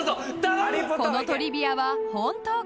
［このトリビアは本当か？